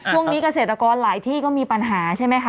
เกษตรกรหลายที่ก็มีปัญหาใช่ไหมคะ